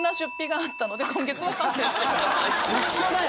一緒だよ！